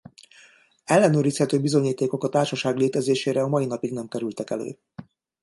Ellenőrizhető bizonyítékok a társaság létezésére a mai napig nem kerültek elő.